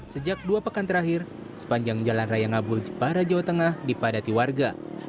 sejak dua pekan terakhir sepanjang jalan raya ngabul jepara jawa tengah dipadati warga